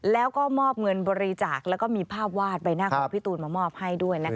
แล้วก็มอบเงินบริจาคแล้วก็มีภาพวาดใบหน้าของพี่ตูนมามอบให้ด้วยนะคะ